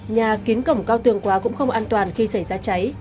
nhà kính cổng cao tường quá cũng không an toàn khi xảy ra cháy